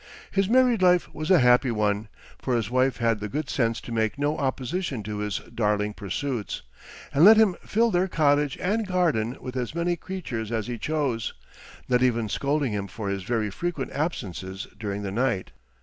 His married life was a happy one, for his wife had the good sense to make no opposition to his darling pursuits, and let him fill their cottage and garden with as many creatures as he chose, not even scolding him for his very frequent absences during the night.